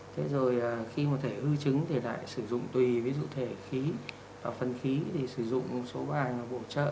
thế rồi khi một thể hư chứng thì lại sử dụng tùy ví dụ thể khí và phân khí thì sử dụng một số bài là bổ trợ